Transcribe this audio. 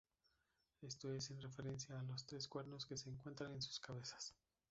Esto es en referencia a los tres cuernos que se encuentran en su cabezas.